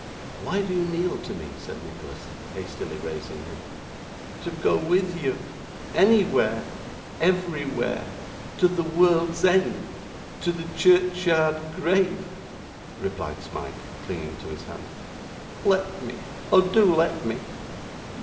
'Why do you kneel to me?' said Nicholas, hastily raising him. 'To go with you anywhere everywhere to the world's end to the churchyard grave,' replied Smike, clinging to his hand. 'Let me, oh do let me.